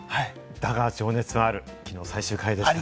『だが、情熱はある』、きのう最終回でしたね。